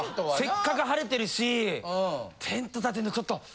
せっかく晴れてるしテントたてるのちょっと。